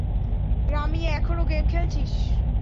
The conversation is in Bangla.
রামিয়া, এখনো গেম খেলছিস?